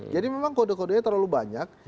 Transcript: jadi memang kode kodenya terlalu banyak